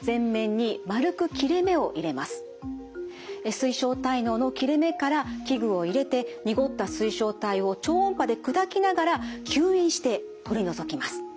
水晶体嚢の切れ目から器具を入れて濁った水晶体を超音波で砕きながら吸引して取り除きます。